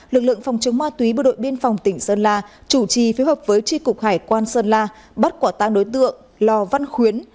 lực lượng phòng chống ma túy bộ đội biên phòng tỉnh sơn la chủ trì phiếu hợp với tri cục hải quan sơn la bắt quả tang đối tượng lò văn khuyến